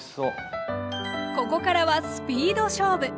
ここからはスピード勝負。